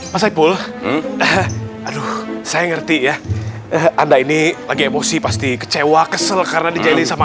mas saipul aduh saya ngerti ya anda ini lagi emosi pasti kecewa kesel karena dijali sama